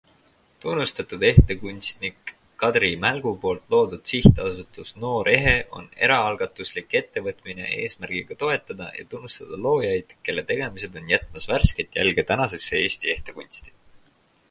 Tunnustatud ehtekunstnik Kadri Mälgu poolt loodud sihtasutus Noor Ehe on eraalgatuslik ettevõtmine eesmärgiga toetada ja tunnustada loojaid, kelle tegemised on jätmas värsket jälge tänasesse Eesti ehtekunsti.